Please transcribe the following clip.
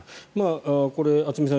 これ、渥美さん